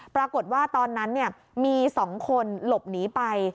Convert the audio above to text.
ปรากฏว่าตอนนั้นมี๒คนหลบหนีไป